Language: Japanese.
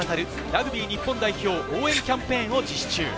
ラグビー日本代表応援キャンペーンを実施中。